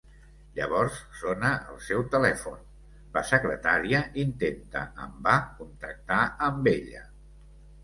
Llavors, sona el seu telèfon, la secretària intenta en va contactar amb ella.